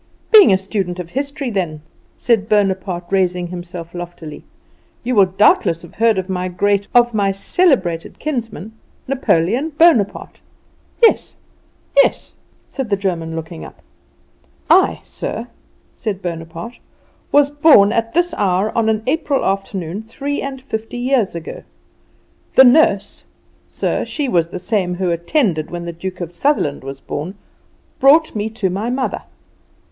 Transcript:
"Being a student of history then," said Bonaparte, raising himself loftily, "you will doubtless have heard of my great, of my celebrated kinsman, Napoleon Bonaparte?" "Yes, yes," said the German, looking up. "I, sir," said Bonaparte, "was born at this hour, on an April afternoon, three and fifty years ago. The nurse, sir she was the same who attended when the Duke of Sutherland was born brought me to my mother.